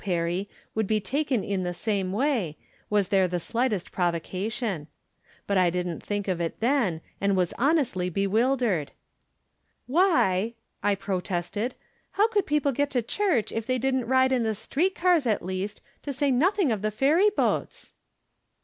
Perry, would be taken in the same way, was there the slightest provocation. But I didn't think of it then, and was honestly bewildered. " Why," I protested, " how could people get to church if they didn't ride in the street cars, at least, to say nothing of the ferry boats